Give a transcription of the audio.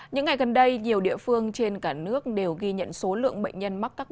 những ngày gần đây nhiều địa phương trên cả nước đều ghi nhận số lượng bệnh nhân